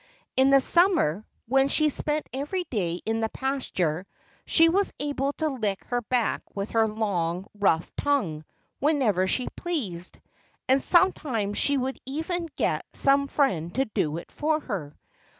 In the summer, when she spent every day in the pasture, she was able to lick her back with her long, rough tongue whenever she pleased; and sometimes she would even get some friend to do it for her.